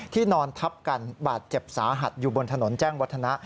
นอนทับกันบาดเจ็บสาหัสอยู่บนถนนแจ้งวัฒนะ